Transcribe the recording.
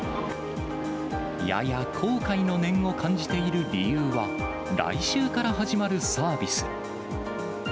やや後悔の念を感じている理由は、来週から始まるサービス。